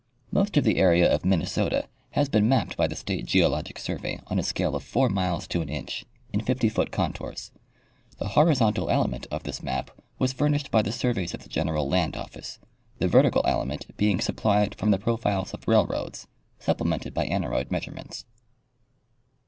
— Most of the area of Minnesota has been mapped by the state geologic survey on a scale of 4 miles to an inch, in 50 foot contours. The horizontal element of this map was fur nished by the surveys of the General Land office, the vertical element being supplied from the profiles of railroads, supple mented by aneroid measurements.